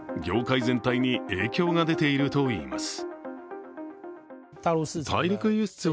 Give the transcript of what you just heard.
業界全体に影響が出ているといいます。